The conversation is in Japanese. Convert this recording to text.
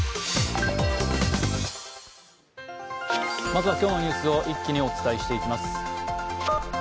まずは、今日のニュースを一気にお伝えしていきます。